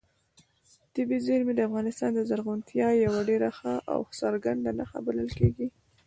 طبیعي زیرمې د افغانستان د زرغونتیا یوه ډېره ښه او څرګنده نښه بلل کېږي.